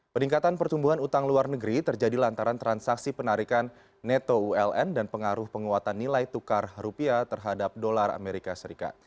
peningkatan pertumbuhan utang luar negeri terjadi lantaran transaksi penarikan neto uln dan pengaruh penguatan nilai tukar rupiah terhadap dolar amerika serikat